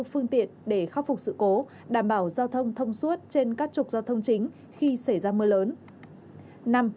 phương tiện để khắc phục sự cố đảm bảo giao thông thông suốt trên các trục giao thông chính khi xảy ra mưa lớn